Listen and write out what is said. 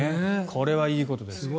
これはいいことです。